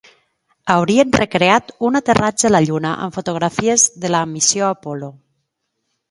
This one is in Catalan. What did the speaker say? Haurien recreat un aterratge a la Lluna amb fotografies de la missió Apollo.